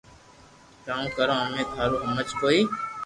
ڪاوُ ڪرو امي ٿارو ھمج ڪوئي ّ